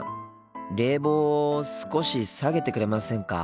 冷房を少し下げてくれませんか？